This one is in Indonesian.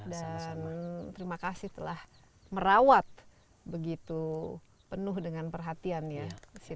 dan terima kasih telah merawat begitu penuh dengan perhatian situs ini